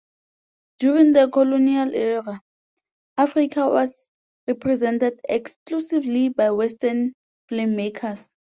During the colonial era, Africa was represented exclusively by Western filmmakers.